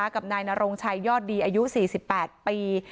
กับนายนรงชัยยอดดีอายุ๔๘ปี